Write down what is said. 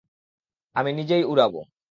আমি নিজেই উড়াবো।